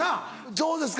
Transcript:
どうですか？